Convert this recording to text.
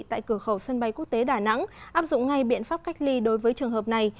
tại cửa khẩu sân bay quốc tế đà nẵng áp dụng ngay biện pháp cách ly đối với trường hợp này